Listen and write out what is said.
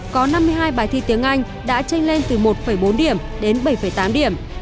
có năm mươi hai bài thi tiếng anh đã tranh lên từ một bốn điểm đến bảy tám điểm